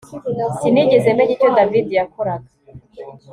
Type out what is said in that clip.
Sinigeze menya icyo David yakoraga